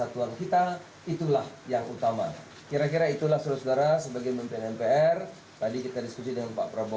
tadi kita diskusi dengan pak prabowo